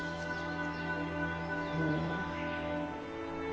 うん。